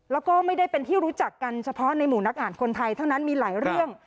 แล้วก็ไม่ได้เป็นที่รู้จักกันเฉพาะในหมู่นักอ่านคนไทยเท่านั้นมีหลายเรื่อง